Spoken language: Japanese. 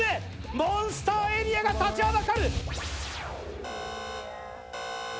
モンスターエリアが立ちはだかる！